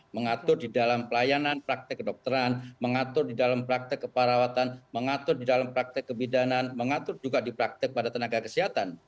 mengatur di dalam pelayanan praktek kedokteran mengatur di dalam praktek keparawatan mengatur di dalam praktek kebidanan mengatur juga di praktek pada tenaga kesehatan